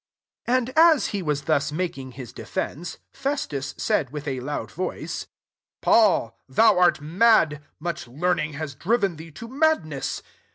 24 And as he was thus mak ing his defence, Festus said with a loud voice, " Paul, thou art mad: much learning has driven thee to madness."